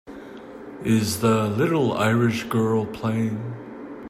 Is The Little Irish Girl playing